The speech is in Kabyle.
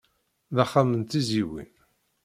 D axxam n tezyiwin.